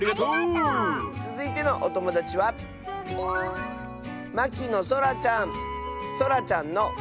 つづいてのおともだちはそらちゃんの。